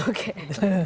wujudnya seperti apa